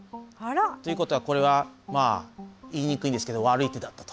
ということはこれは言いにくいんですけど悪い手だったと。